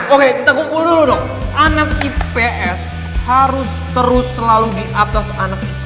oke kita kumpul dulu dong anak ips harus terus selalu di atas anak